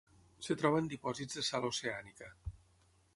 Es troba en dipòsits de sal oceànica.